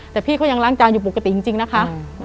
แต่พี่เขายังล้างจานอยู่ปกติจริงนะคะ